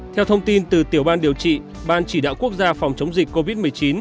theo thông tin từ tiểu ban điều trị ban chỉ đạo quốc gia phòng chống dịch covid một mươi chín